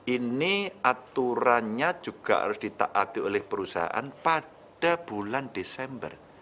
ini aturannya juga harus ditaati oleh perusahaan pada bulan desember